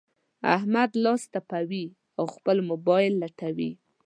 احمد لاس تپوي؛ او خپل مبايل لټوي.